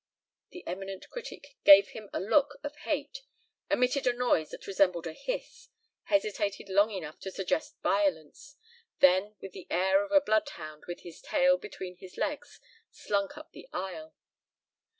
The eminent critic gave him a look of hate, emitted a noise that resembled a hiss, hesitated long enough to suggest violence, then with the air of a bloodhound with his tail between his legs, slunk up the aisle.